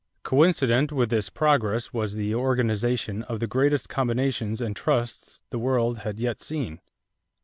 Coincident with this progress was the organization of the greatest combinations and trusts the world had yet seen.